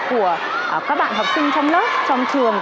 của các bạn học sinh trong lớp trong trường